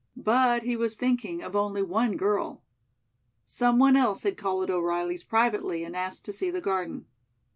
But he was thinking of only one girl. Someone else had called at O'Reilly's privately and asked to see the garden.